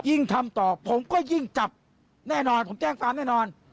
ทำต่อผมก็ยิ่งจับแน่นอนผมแจ้งความแน่นอน